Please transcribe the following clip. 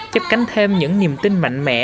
chấp cánh thêm những niềm tin mạnh mẽ